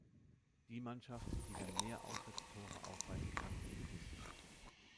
Die Mannschaft, die dann mehr Auswärtstore aufweisen kann, gewinnt.